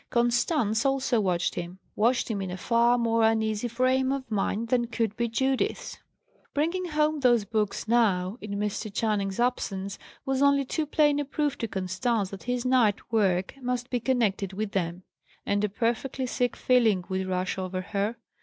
Constance also watched him: watched him in a far more uneasy frame of mind than could be Judith's. Bringing home those books now, in Mr. Channing's absence, was only too plain a proof to Constance that his night work must be connected with them: and a perfectly sick feeling would rush over her.